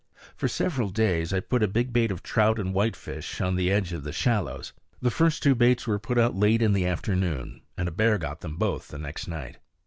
For several days I put a big bait of trout and whitefish on the edge of the shallows. The first two baits were put out late in the afternoon, and a bear got them both the next night.